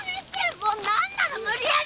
もうなんなの無理やり！